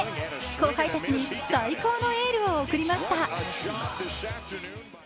後輩たちに最高のエールを送りました。